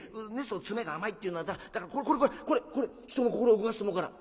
で詰めが甘いっていうのはだからこれこれこれこれこれ人の心を動かすと思うから」。